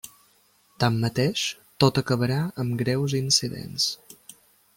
Tanmateix, tot acabarà amb greus incidents.